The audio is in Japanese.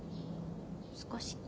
少し。